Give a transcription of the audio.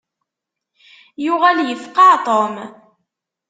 Yuɣal yefqeɛ Tom.